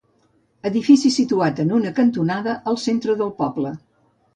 Edifici situat en una cantonada, al centre del poble.